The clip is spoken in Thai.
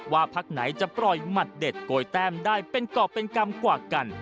พักไหนจะปล่อยหมัดเด็ดโกยแต้มได้เป็นกรอบเป็นกรรมกว่ากัน